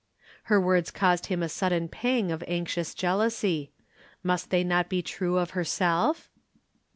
Her words caused him a sudden pang of anxious jealousy. Must they not be true of herself?